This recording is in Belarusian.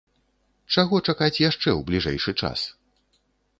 Чаго чакаць яшчэ ў бліжэйшы час?